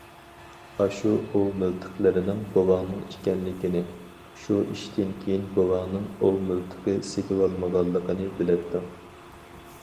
ئاشۇ ئوۋ مىلتىقلىرىنىڭ بوۋاڭنىڭ ئىكەنلىكىنى، شۇ ئىشتىن كېيىن بوۋاڭنىڭ ئوۋ مىلتىقى سېتىۋالمىغانلىقىنى بىلەتتىڭ.